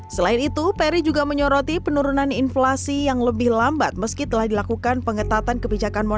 selain itu peri juga menyoroti penurunan inflasi yang lebih lambat meski telah dilakukan pengetatan kebijakan moneter